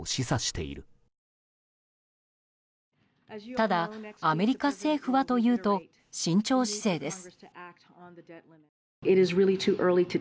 ただ、アメリカ政府はというと慎重姿勢です。